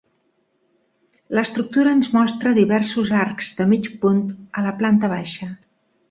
L'estructura ens mostra diversos arcs de mig punt a la planta baixa.